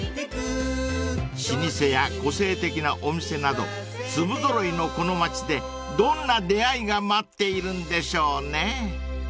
［老舗や個性的なお店など粒ぞろいのこの街でどんな出会いが待っているんでしょうね］